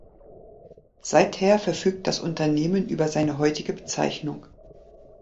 Seither verfügt das Unternehmen über seine heutige Bezeichnung.